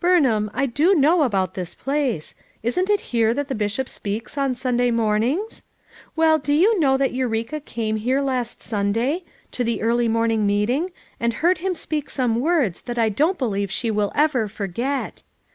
"Burnham, I do know about this place; isn't it here that the Bishop speaks on Sunday mornings? Well do you know that Eureka came here last Sunday, 391 FOUR MOTHEBS AT CHAUTAUQUA to the early morning meeting, and heard him speak some words that I don't believe she will ever forget.